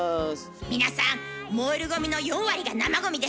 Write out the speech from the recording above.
皆さん燃えるゴミの４割が生ゴミです。